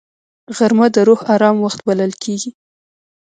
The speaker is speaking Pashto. غرمه د روح آرام وخت بلل کېږي